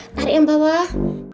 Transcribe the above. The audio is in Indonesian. tarik yang bawah